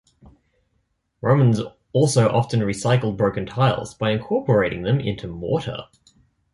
Romans also often recycled broken tiles by incorporating them into mortar.